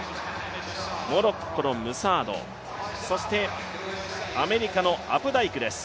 モロッコのムサード、そしてアメリカのアプダイクです。